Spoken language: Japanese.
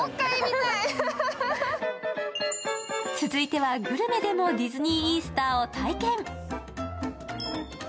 続いてはグルメでもディズニーイースターを体験。